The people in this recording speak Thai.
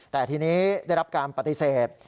แต่ทีนี้ได้รับการปฏิเสธ